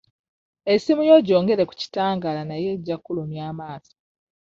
Essimu yo gyongere ku kitangaala naye ejja kkulumya amaaso.